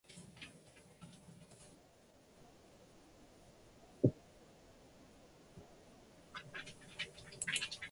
All six games are developed by Capcom and are all head-to-head fighting games.